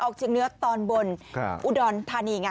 ออกเฉียงเนื้อตอนบนอุดรธานี